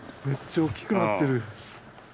めっちゃおっきくなってる。